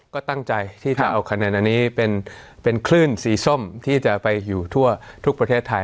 ก็ตั้งใจที่จะเอาคะแนนอันนี้เป็นคลื่นสีส้มที่จะไปอยู่ทั่วทุกประเทศไทย